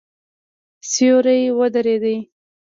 سیوری ودرېد.